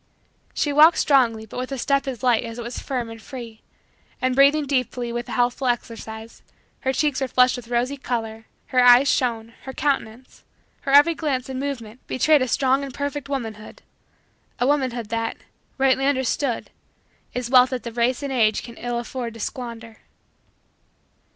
She walked strongly but with a step as light as it was firm and free; and, breathing deeply with the healthful exercise, her cheeks were flushed with rosy color, her eyes shone, her countenance her every glance and movement betrayed a strong and perfect womanhood a womanhood that, rightly understood, is wealth that the race and age can ill afford to squander.